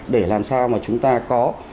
để làm sao mà chúng ta có